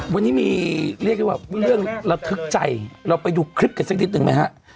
วันนี้มีเรียกได้ว่าเรื่องระทึกใจเราไปดูคลิปกันสักนิดหนึ่งไหมฮะ